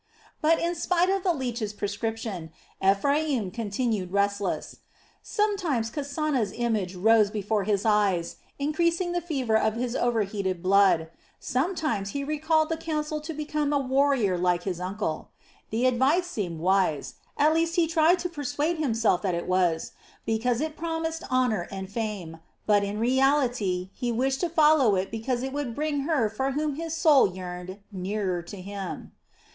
But in spite of the leech's prescription Ephraim continued restless. Sometimes Kasana's image rose before his eyes, increasing the fever of his over heated blood, sometimes he recalled the counsel to become a warrior like his uncle. The advice seemed wise at least he tried to persuade himself that it was because it promised honor and fame, but in reality he wished to follow it because it would bring her for whom his soul yearned nearer to him.